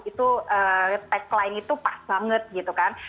itu tagline itu pas banget gitu kan